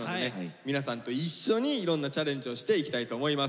皆さんと一緒にいろんなチャレンジをしていきたいと思います。